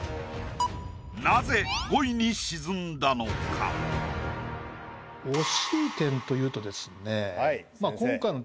なぜ５位に沈んだのか？というとですね。